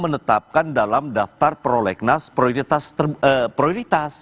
menetapkan dalam daftar prolegnas prioritas